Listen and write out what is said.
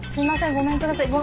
ごめんください。